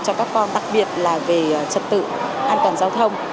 cho các con đặc biệt là về trật tự an toàn giao thông